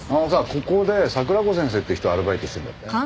ここで桜子先生って人アルバイトしてるんだってね。